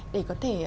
để có thể